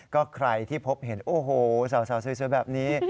ก็ใครที่พบเห็นโอ้โหสาวสวยแบบนี้